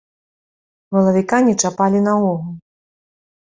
Валавіка не чапалі наогул.